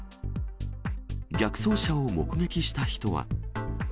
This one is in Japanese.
逆走車を目撃した人は。